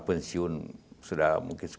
pensiun sudah mungkin